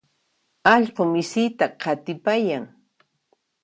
Allqu misita qatipayan.